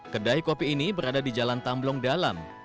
kedai kopi ini berada di jalan tamblong dalam